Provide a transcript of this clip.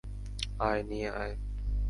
আয়, নিয়ে আয়।